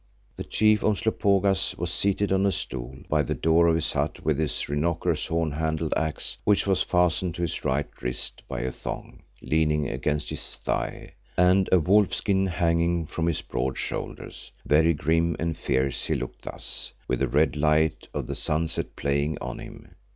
The Chief Umslopogaas was seated on a stool by the door of his hut with his rhinoceros horn handled axe which was fastened to his right wrist by a thong, leaning against his thigh, and a wolfskin hanging from his broad shoulders. Very grim and fierce he looked thus, with the red light of the sunset playing on him.